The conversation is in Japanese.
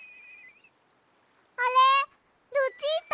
あれルチータ！